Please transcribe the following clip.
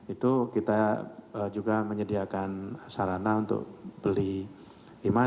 itu kita juga menyediakan sarana untuk beli e money baru